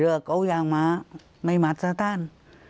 เรือย้างขาของชายไม่หมดจะท่าน